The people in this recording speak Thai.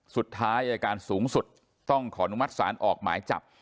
สุดท้ายอาการสูงสุดต้องขออนุมัติสารออกหมายจับ